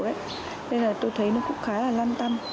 nên là tôi thấy nó cũng khá là lăn tăm